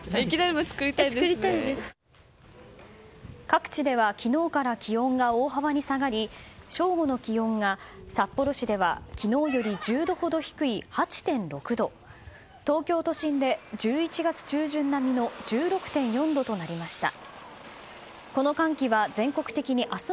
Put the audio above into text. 各地では昨日から気温が大幅に下がり正午の気温が札幌市では昨日より１０度ほど低い８．６度東京都心で１１月中旬並みの１６．４度となりました。